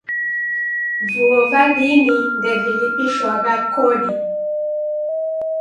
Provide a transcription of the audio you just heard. Vuo va dini ndevilipishwagha kodi.